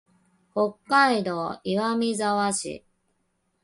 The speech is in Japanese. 北海道岩見沢市